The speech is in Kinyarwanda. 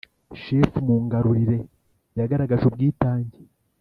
Shefu Mungarurire yagaragaje ubwitange